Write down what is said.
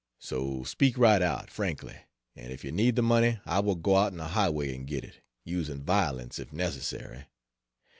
So, speak right out, frankly, and if you need the money I will go out on the highway and get it, using violence, if necessary.